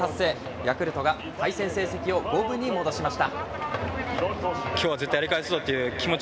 ヤクルトが対戦成績を五分に戻しました。